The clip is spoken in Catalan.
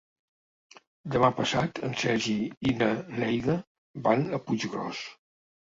Demà passat en Sergi i na Neida van a Puiggròs.